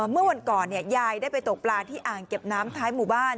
เมื่อวันก่อนยายได้ไปตกปลาที่อ่างเก็บน้ำท้ายหมู่บ้าน